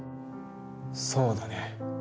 そうだね。